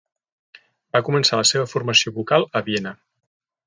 Va començar la seva formació vocal a Viena.